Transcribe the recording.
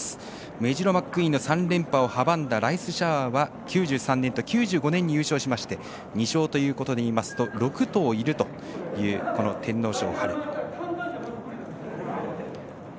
メジロマックイーンを阻んだ９３年と９５年に優勝しまして２勝ということでいいますと６頭いるという天皇賞。